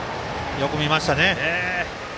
よく見ましたね。